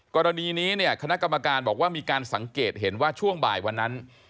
กรณีนี้เนี่ยคณะกรรมการบอกว่ามีการสังเกตเห็นว่าช่วงบ่ายวันนั้น